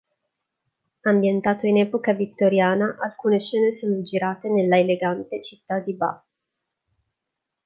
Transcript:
Ambientato in epoca vittoriana, alcune scene sono girate nella elegante città di Bath.